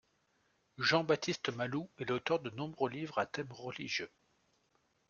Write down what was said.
Jean-Baptiste Malou est l’auteur de nombreux livres à thème religieux.